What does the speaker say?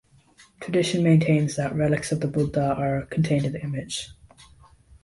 Tradition maintains that relics of the Buddha are contained in the image.